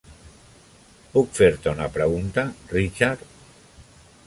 Puc fer-te una pregunta, Richard?